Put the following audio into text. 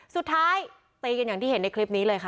สุดท้ายตีกันอย่างที่เห็นในคลิปนี้เลยค่ะ